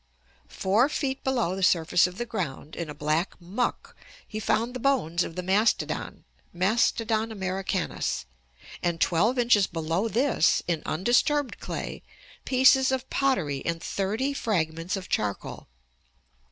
Four feet below the surface of the ground, in a black muck, he found the bones of the mastodon (Mastodon americanus), and 12 inches below this, in undisturbed clay, pieces of pottery and thirty fragments of charcoal.